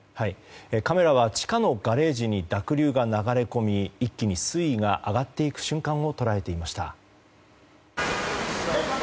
カメラは地下のガレージに濁流が流れ込み一気に水位が上がっていく瞬間を捉えていました。